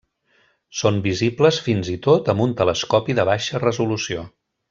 Són visibles fins i tot amb un telescopi de baixa resolució.